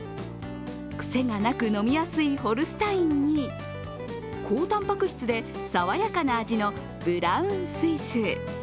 癖がなく飲みやすいホルスタインに、高たんぱく質でさわやかな味のブラウンスイス。